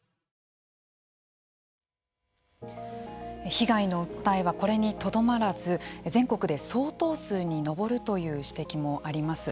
被害の訴えはこれにとどまらず全国で相当数に上るという指摘もあります。